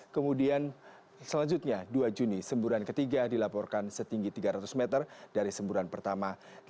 kemudian selanjutnya dua juni semburan ketiga dilaporkan setinggi tiga ratus meter dari semburan pertama